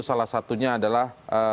salah satunya adalah